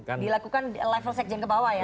kan dilakukan level section ke bawah ya